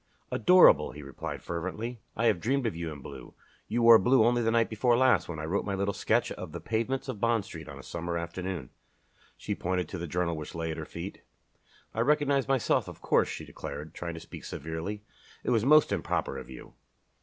"Adorable," he replied, fervently. "I have dreamed of you in blue. You wore blue only the night before last, when I wrote my little sketch of 'The Pavements of Bond Street on a Summer Afternoon.'" She pointed to the journal which lay at her feet. "I recognized myself, of course," she declared, trying to speak severely. "It was most improper of you."